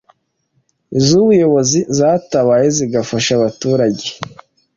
z’ubuyobozi zatabaye zigafasha abaturage